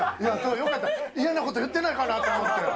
よかった、嫌なこと言ってないかなと思って。